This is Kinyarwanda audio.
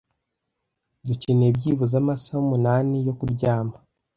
Dukeneye byibuze amasaha umunani yo kuryama